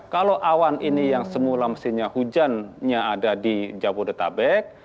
kalau awan ini yang semula mesinnya hujannya ada di jabodetabek